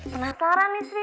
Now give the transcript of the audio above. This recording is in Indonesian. penasaran nih sri nih